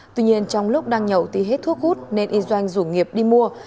tuy nhiên trong lúc đang nhậu thì hết thuốc hút nên y doanh rủ nghiệp đi mua